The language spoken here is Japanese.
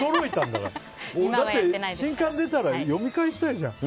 だって、新刊出たら読み返したいじゃん。